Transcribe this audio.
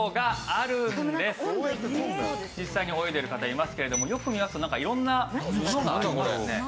実際に泳いでる方いますけれどもよく見ますとなんか色んなものがありますね。